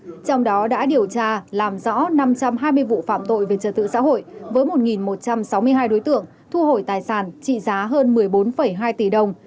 trong đó đã điều tra làm rõ năm trăm hai mươi vụ phạm tội về trật tự xã hội với một một trăm sáu mươi hai đối tượng thu hồi tài sản trị giá hơn một mươi bốn hai tỷ đồng